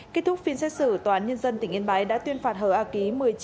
kết thúc phiên xét xử tòa án nhân dân tỉnh yên bái đã tuyên phạt hở a ký